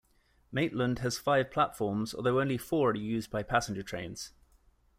Maitland has five platforms, although only four are used by passenger trains.